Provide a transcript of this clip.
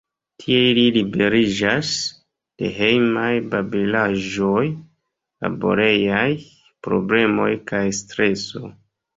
Tie ili liberiĝas de hejmaj babilaĵoj, laborejaj problemoj kaj streso.